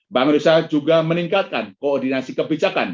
bangunisa juga meningkatkan koordinasi kebijakan